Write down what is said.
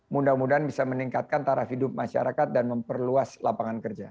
mudah mudahan bisa meningkatkan taraf hidup masyarakat dan memperluas lapangan kerja